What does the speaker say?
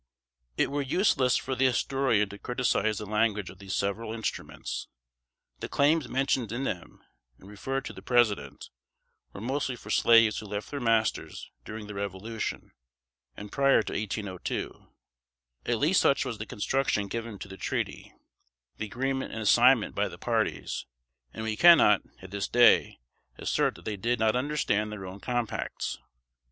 It were useless for the historian to criticise the language of these several instruments. The "claims" mentioned in them, and referred to the President, were mostly for slaves who left their masters during the Revolution, and prior to 1802; at least such was the construction given to the treaty, the agreement and assignment by the parties; and we cannot, at this day, assert that they did not understand their own compacts.